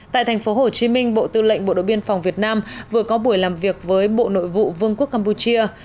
tại thành phố hồ chí minh bộ tư lệnh bộ đội biên phòng việt nam vừa có buổi làm việc với bộ nội vụ vương quốc campuchia